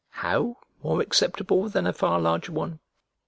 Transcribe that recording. How more acceptable than a far larger one?